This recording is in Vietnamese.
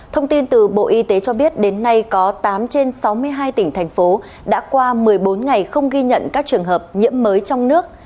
thông tin từ bộ y tế cho biết đến nay có tám trên sáu mươi hai tỉnh thành phố đã qua một mươi bốn ngày không ghi nhận các trường hợp nhiễm mới trong nước